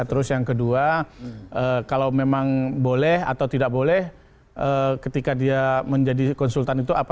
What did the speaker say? ketiga kalau memang boleh atau tidak boleh ketika dia menjadi konsultan itu